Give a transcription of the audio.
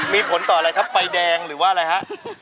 มีผลต่ออะไรครับไฟแดงหรือว่าอะไรฮะ